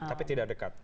tapi tidak dekat